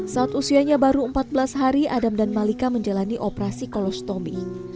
saat usianya baru empat belas hari adam dan malika menjalani operasi kolostomi